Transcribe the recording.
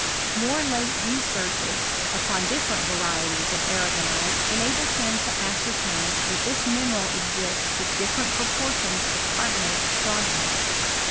M(»e late researches upon different varieties of arragonite •enabled him to ascertain that this inineral exists with different proportions of carbonate of strontian.